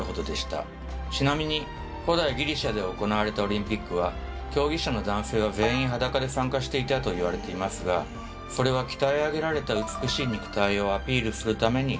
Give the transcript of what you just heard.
ちなみに古代ギリシャで行われたオリンピックは競技者の男性は全員裸で参加していたといわれていますがそれは鍛え上げられた美しい肉体をアピールするために裸だったといわれています。